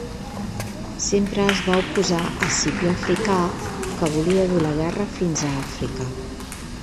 Sempre es va oposar a Escipió Africà, que volia dur la guerra fins a Àfrica.